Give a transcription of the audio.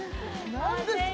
何ですか？